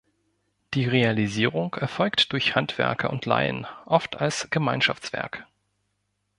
Die Realisierung erfolgt durch Handwerker und Laien, oft als Gemeinschaftswerk.